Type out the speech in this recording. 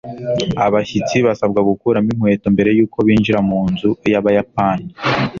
abashyitsi basabwa gukuramo inkweto mbere yuko binjira munzu yabayapani